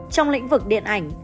trong lĩnh vực điện ảnh